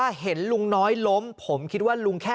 แล้วเป็นอะไรลุงน้อยเป็นอย่างนี้